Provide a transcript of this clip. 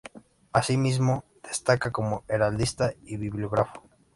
Asimismo, destaca como heraldista y bibliógrafo.